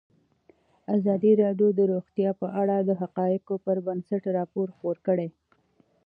ازادي راډیو د روغتیا په اړه د حقایقو پر بنسټ راپور خپور کړی.